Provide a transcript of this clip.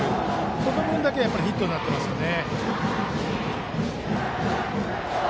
その分だけヒットになってますね。